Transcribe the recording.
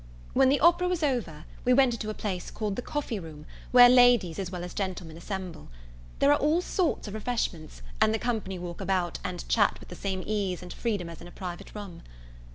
When the opera was over, we went into a place called the coffee room where ladies, as well as gentlemen, assemble. There are all sorts of refreshments, and the company walk about, and chat with the same ease and freedom as in a private room.